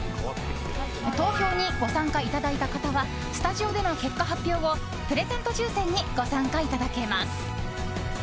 投票にご参加いただいた方はスタジオでの結果発表後プレゼント抽選にご参加いただけます。